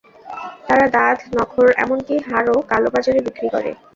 তারা দাঁত, নখর, এমনকি হাড়ও কালো বাজারে বিক্রি করে।